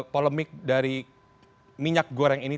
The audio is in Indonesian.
polemik dari minyak goreng ini